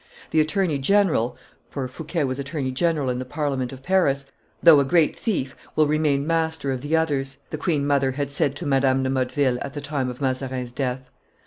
"The attorney general [Fouquet was attorney general in the Parliament of Paris], though a great thief, will remain master of the others," the queen mother had said to Madame de Motteville at the time of Mazarin's death.